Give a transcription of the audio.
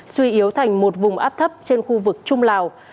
suy yếu thành một vùng áp thấp trên khu vực trung lào